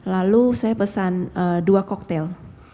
lalu saya pesan dua koktel